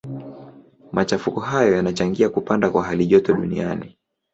Machafuko hayo yanachangia kupanda kwa halijoto duniani.